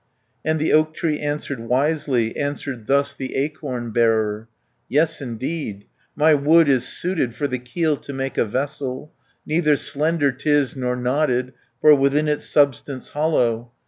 And the oak tree answered wisely, Answered thus the acorn bearer: "Yes, indeed, my wood is suited For the keel to make a vessel, 80 Neither slender 'tis, nor knotted, For within its substance hollow.